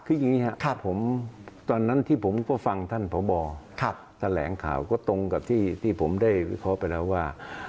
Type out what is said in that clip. คืออย่างนี้ครับผมตอนนั้นที่ผมก็ฟังท่านพบแถลงข่าวก็ตรงกับที่ผมได้วิเคราะห์ไปแล้วว่า